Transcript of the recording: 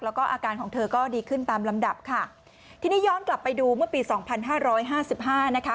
แล้วก็อาการของเธอก็ดีขึ้นตามลำดับค่ะทีนี้ย้อนกลับไปดูเมื่อปีสองพันห้าร้อยห้าสิบห้านะคะ